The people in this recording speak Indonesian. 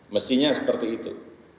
mestinya seperti itu